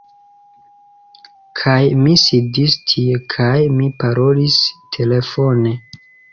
Kaj mi sidis tie kaj mi parolis telefone.